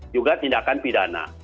juga tindakan pidana